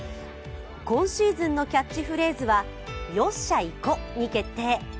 今シーズンのキャッチフレーズは「よっしゃいこ！」に決定。